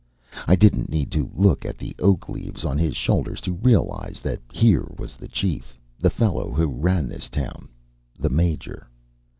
I didn't need to look at the oak leaves on his shoulders to realize that here was the chief, the fellow who ran this town, the Major.